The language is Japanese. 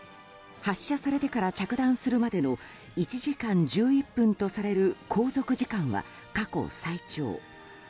発射されてから着弾するまでの１時間１１分とされる航続時間は過去最長。